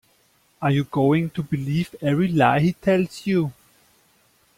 Are you going to believe every lie he tells you?